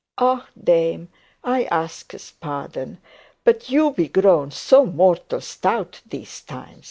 'Ah, dame, I axes pardon; but you be grown so mortal stout these time.'